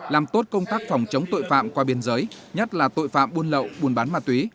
làm tốt công tác phòng chống tội phạm qua biên giới nhất là tội phạm buôn lậu buôn bán ma túy